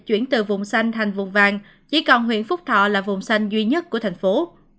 chuyển từ vùng xanh thành vùng vàng chỉ còn huyện phúc thọ là vùng xanh duy nhất của thành phố